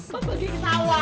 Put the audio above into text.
mau pergi ke sawah